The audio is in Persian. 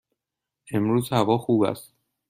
امروز هوا خوب است.